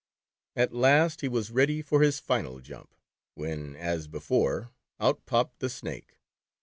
At last, he was ready for his final jump, when as before, out popped the Snake.